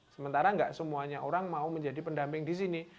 sementara nggak semuanya orang mau menjadi pendamping di sini